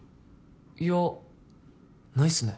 いやないっすね